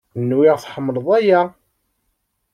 Nwiɣ tḥemmleḍ aya.